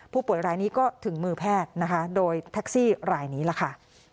ผู้ป่วยรายนี้ก็ถึงมือแพทย์นะคะโดยแท็กซี่รายนี้ล่ะค่ะ